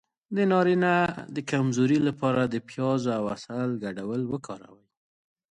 د نارینه د کمزوری لپاره د پیاز او عسل ګډول وکاروئ